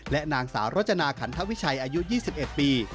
และนางสาวรจนาขันทวิชัยอายุ๒๑ปี